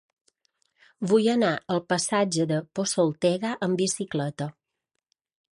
Vull anar al passatge de Posoltega amb bicicleta.